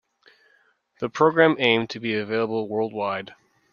The program aimed to be available worldwide.